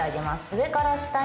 上から下に。